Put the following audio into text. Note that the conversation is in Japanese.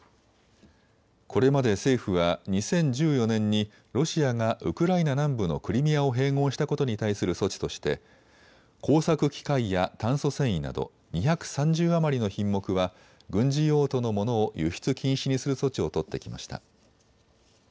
これまで政府は２０１４年にロシアがウクライナ南部のクリミアを併合したことに対する措置として工作機械や炭素繊維など２３０余りの品目は軍事用途のものを輸出禁止にする措置を取ってきました。